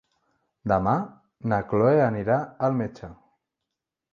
Demà na Cloè anirà al metge.